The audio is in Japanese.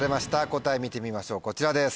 答え見てみましょうこちらです。